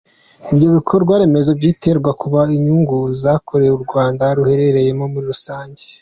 Ibyo bikorwa remezo byitezweho kuba inyungu z’akarere u Rwanda ruherereyemo muri rusange.